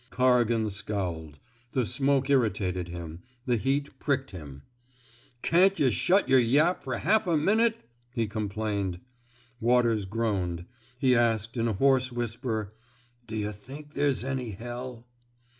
'' Corrigan scowled. The smoke irritated him; the heat pricked him. '* Can't yuh shut yer yap fer half a min ute! ^" he complained. Waters groaned. He asked, in a hoarse whisper: '* D'yuh think there's any hell!